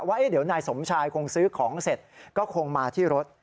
ว่าเดี๋ยวนายสมชายคงซื้อของเสร็จก็คงมาที่รถ